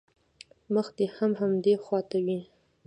مخ دې هم همدې خوا ته وي.